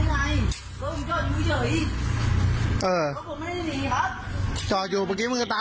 เออไม่ได้หนีครับชอบอยู่ผมคือหมา